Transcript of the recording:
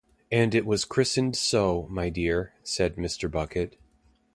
"And it was christened so, my dear," said Mr. Bucket.